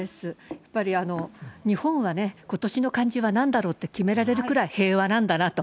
やっぱり日本はね、今年の漢字はなんだろうって決められるくらい、平和なんだなと。